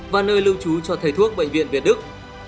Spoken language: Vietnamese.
và nơi lưu trú cho thầy thuốc bệnh viện việt đức